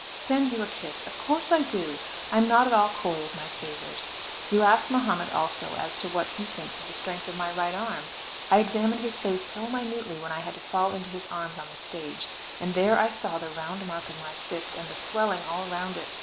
Send you a kiss! Of course I do; I am not at all coy of my favours. You ask Mahomet also as to what he thinks of the strength of my right arm. I examined his face so minutely when I had to fall into his arms on the stage, and there I saw the round mark of my fist, and the swelling all round it.